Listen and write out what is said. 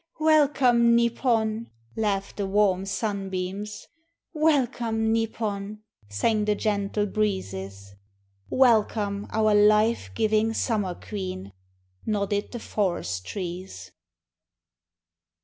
"Welcome, Nipon," laughed the warm sunbeams. "Welcome, Nipon," sang the gentle breezes. "Welcome, our life giving Summer Queen," nodded the forest trees.